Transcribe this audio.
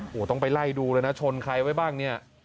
โอ้โหต้องไปไล่ดูเลยนะชนใครไว้บ้างเนี่ย